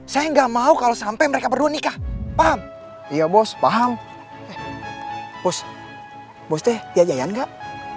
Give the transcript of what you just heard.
saya nggak mau kalau sampai mereka berdua nikah paham iya bos paham bos bos teh ya jaya nggak